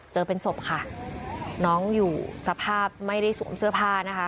เจอเป็นศพค่ะน้องอยู่สภาพไม่ได้สวมเสื้อผ้านะคะ